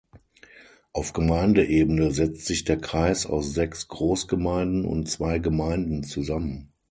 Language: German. Auf Gemeindeebene setzt sich der Kreis aus sechs Großgemeinden und zwei Gemeinden zusammen.